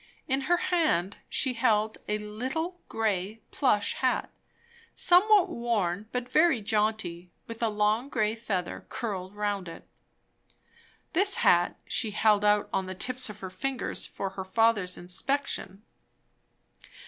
In her hand she held a little grey plush hat, somewhat worn but very jaunty, with a long grey feather, curled round it. This hat she held out on the tips of her fingers for her father's inspection.